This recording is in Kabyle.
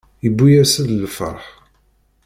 Yewwi-as-d lferḥ.